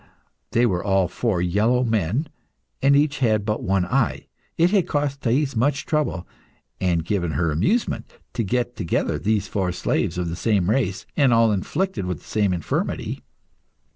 They were all four yellow men, and each had but one eye. It had cost Thais much trouble, and given her amusement, to get together these four slaves of the same race, and all afflicted with the same infirmity.